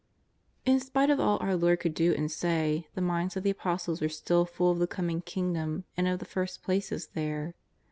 In spite of all our Lord could do and say, tlie minds of the Apostles were still full of the coming Kingdom and of the first places there.